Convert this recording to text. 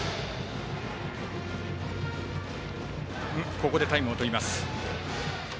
ここでタイムをとります。